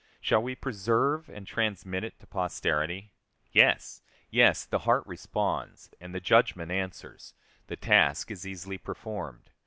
Shall we preserve and transmit it to posterity? Yes, yes, the heart responds; and the judgment answers, the task is easily performed.